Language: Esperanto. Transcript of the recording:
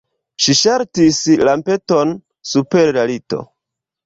Ŝi ŝaltis lampeton super la lito.